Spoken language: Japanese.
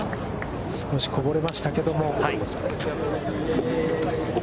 少しこぼれましたけども。